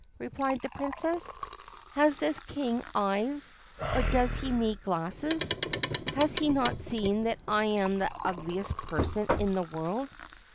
replied the Princess. ' Has this King eyes, or does he need glasses? Has he not seen that I am the ugliest person in the world